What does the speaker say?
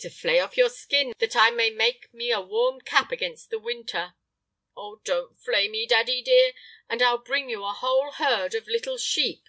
"To flay off your skin, that I may make me a warm cap against the winter." "Oh! Don't flay me, daddy dear, and I'll bring you a whole herd of little sheep."